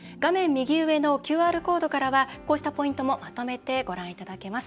右上のＱＲコードからはこうしたポイントもまとめてご覧いただけます。